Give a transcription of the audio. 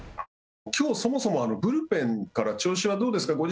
きょう、そもそもブルペンから調子はどうですか。